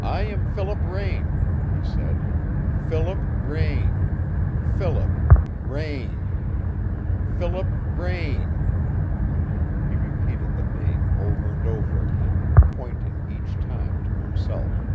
"I am Philip Raine," he said. "Philip Raine Philip Raine Philip Raine " He repeated the name over and over again, pointing each time to himself.